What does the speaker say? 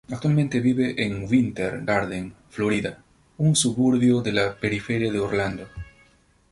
Actualmente vive en Winter Garden, Florida, un suburbio de la periferia de Orlando.